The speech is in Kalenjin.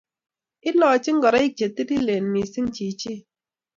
Ilochi ingoroik che tililen missing' chichin